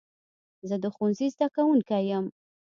زه د ښوونځي زده کوونکی یم.